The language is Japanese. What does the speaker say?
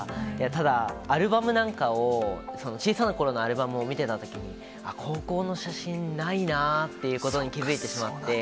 ただ、アルバムなんかを、小さなころのアルバムを見てたときに、あっ、高校の写真ないなってことに気付いてしまって。